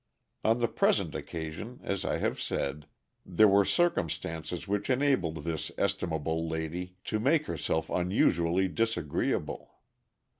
On the present occasion, as I have said, there were circumstances which enabled this estimable lady to make herself unusually disagreeable.